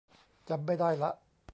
จำไม่ได้ละ